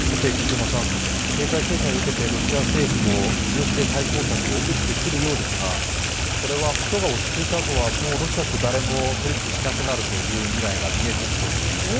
経済制裁を受けてロシア政府も強気で対抗策を打ってくるようですがこれは事が落ち着いたあとは、ロシアと誰も取り引きしなくなるという未来が見えそうですね。